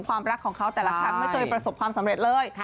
ความรักของเขาแต่ละครั้งไม่เคยประสบความสำเร็จเลย